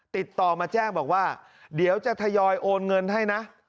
ติดต่อมาแจ้งบอกว่าเดี๋ยวจะทยอยโอนเงินให้นะ